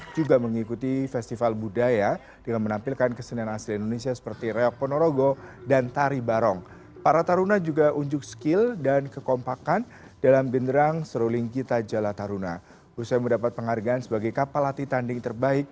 sembilan jalan dari indonesia